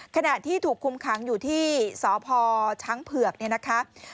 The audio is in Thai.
ขณะที่ถูกคุมขังอยู่ที่สพช้างเผือก